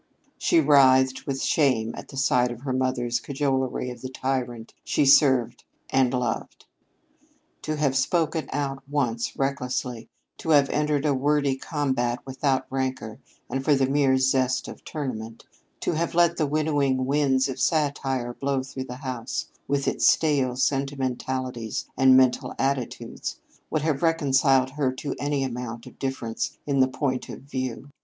She writhed with shame at the sight of her mother's cajolery of the tyrant she served and loved. To have spoken out once, recklessly, to have entered a wordy combat without rancor and for the mere zest of tournament, to have let the winnowing winds of satire blow through the house with its stale sentimentalities and mental attitudes, would have reconciled her to any amount of difference in the point of view.